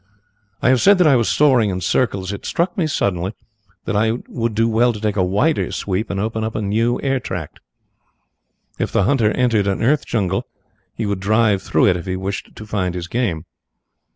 "I have said that I was soaring in circles. It struck me suddenly that I would do well to take a wider sweep and open up a new airtract. If the hunter entered an earth jungle he would drive through it if he wished to find his game.